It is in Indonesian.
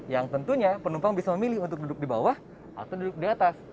yang tentunya penumpang bisa memilih untuk duduk di bawah atau duduk di atas